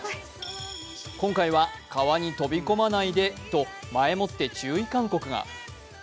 今回は、川に飛び込まないでと前もって注意勧告が。